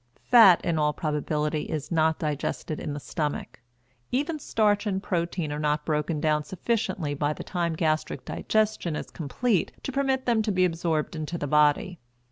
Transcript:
Fat in all probability is not digested in the stomach; even starch and protein are not broken down sufficiently by the time gastric digestion is complete to permit them to be absorbed into the body.